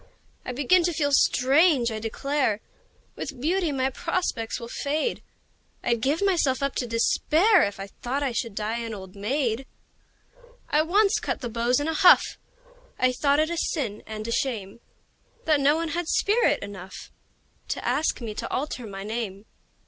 I begin to feel strange, I declare! With beauty my prospects will fade I'd give myself up to despair If I thought I should die an old maid! I once cut the beaux in a huff I thought it a sin and a shame That no one had spirit enough To ask me to alter my name.